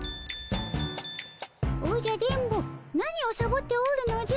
おじゃ電ボ何をサボっておるのじゃ。